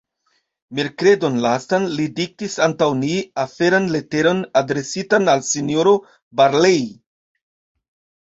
Merkredon lastan, li diktis antaŭ ni aferan leteron adresitan al S-ro Barlei.